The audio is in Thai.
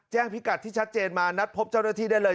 พิกัดที่ชัดเจนมานัดพบเจ้าหน้าที่ได้เลย